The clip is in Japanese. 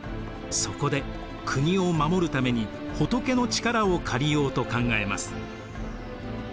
そこで国を護るために仏の力を借りようと考えます。